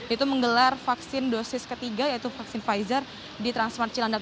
itu menggelar vaksin dosis ketiga yaitu vaksin pfizer di transmart cilandak